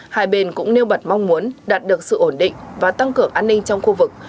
hai bên cũng nêu bật mong muốn đạt được sự ổn định và tăng cường an ninh trong khu vực